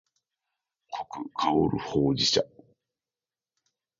濃く香るほうじ茶